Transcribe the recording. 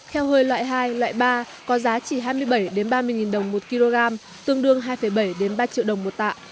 heo hơi loại hai loại ba có giá chỉ hai mươi bảy ba mươi đồng một kg tương đương hai bảy ba triệu đồng một tạ